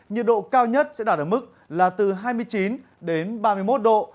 nhiệt độ cao nhất sẽ đạt ở mức là từ hai mươi chín đến ba mươi một độ